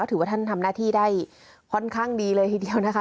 ถือว่าท่านทำหน้าที่ได้ค่อนข้างดีเลยทีเดียวนะคะ